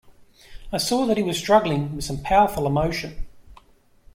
I saw that he was struggling with some powerful emotion.